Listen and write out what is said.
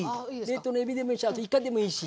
冷凍のえびでもいいしあといかでもいいし。